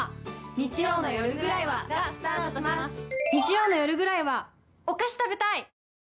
日曜の夜ぐらいはお菓子食べたい。